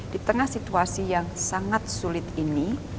di tengah situasi yang sangat sulit ini